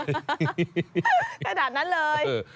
ขนาดนั้นเลย